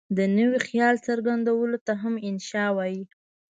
د نوي خیال څرګندولو ته هم انشأ وايي.